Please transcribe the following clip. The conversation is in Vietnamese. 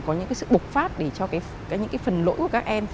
có những cái sự bộc phát để cho những cái phần lỗi của các em